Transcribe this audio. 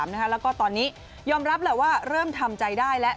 แล้วก็ตอนนี้ยอมรับแหละว่าเริ่มทำใจได้แล้ว